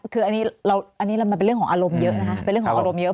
คืออันนี้มันเป็นเรื่องของอารมณ์เยอะนะคะเป็นเรื่องของอารมณ์เยอะ